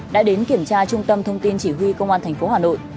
đã đến kiểm tra trung tâm thông tin chỉ huy công an thành phố hà nội